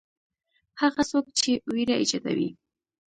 هغه څوک چې وېره ایجادوي.